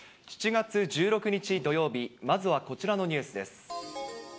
７月１６日土曜日、まずはこちらのニュースです。